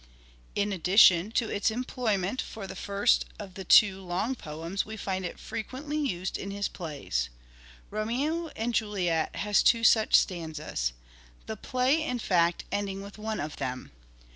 In addition to its employment for the first of the two long poems we find it frequently used in his plays. " Romeo and Juliet " has two such stanzas : the play, in fact, ending with one of them.